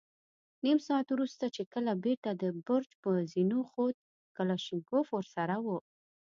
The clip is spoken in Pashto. نيم ساعت وروسته چې کله بېرته د برج پر زينو خوت، کلاشينکوف ور سره و.